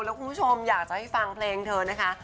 แล้วคุณผู้ชมอยากจะให้ฟังเพลงเธอนะคะ